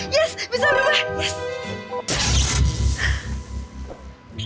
yes bisa berubah